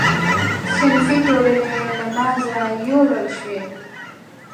صنفي ټولنې له منځه یووړل شوې.